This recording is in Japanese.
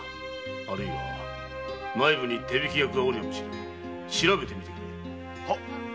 あるいは内部に手引き役がおるやもしれぬ調べてみてくれ。